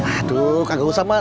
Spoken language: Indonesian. aduh kakak usah mak